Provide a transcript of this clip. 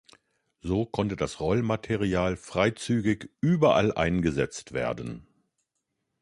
So konnte das Rollmaterial freizügig überall eingesetzt werden.